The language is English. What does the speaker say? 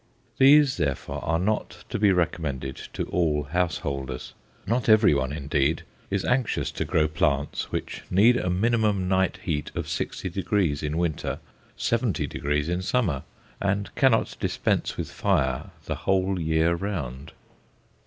These, therefore, are not to be recommended to all householders. Not everyone indeed is anxious to grow plants which need a minimum night heat of 60° in winter, 70° in summer, and cannot dispense with fire the whole year round.